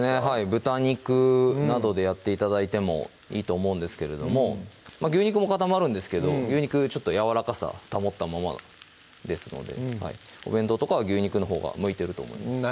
豚肉などでやって頂いてもいいと思うんですけれども牛肉も固まるんですけど牛肉ちょっとやわらかさ保ったままですのでお弁当とかは牛肉のほうが向いてると思います